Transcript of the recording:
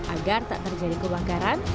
agar tak terjadi kebakaran